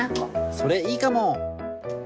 それいいかも。